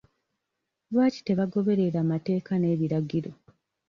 Lwaki tebagoberera mateeka n'ebiragiro?